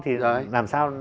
thì làm sao